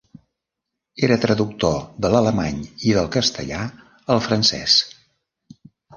Era traductor de l'alemany i del castellà al francès.